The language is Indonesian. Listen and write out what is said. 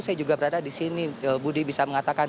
saya juga berada di sini budi bisa mengatakan